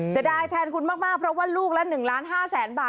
เสียดายแทนคุณมากเพราะว่าลูกละ๑ล้าน๕แสนบาท